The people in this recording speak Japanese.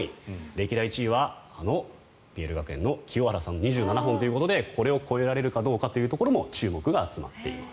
歴代１位は、あのＰＬ学園の清原さん、２７本ということでこれを超えられるかも注目が集まっています。